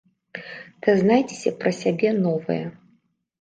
Дазнайцеся пра сябе новае!